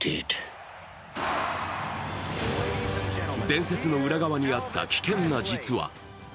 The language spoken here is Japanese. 伝説の裏側にあった危険な実話。